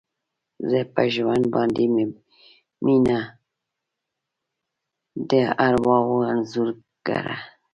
زه په ژوند باندې میینه، د ارواوو انځورګره